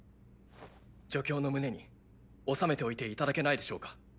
助教の胸に納めておいていただけないでしょうか。